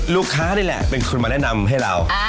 ลูกค้านี่แหละเป็นคนมาแนะนำให้เรา